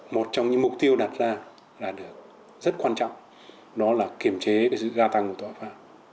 một trong những mục tiêu đặt ra là được rất quan trọng đó là kiềm chế sự gia tăng của tội phạm